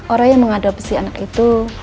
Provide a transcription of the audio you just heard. orang yang mengadopsi anak itu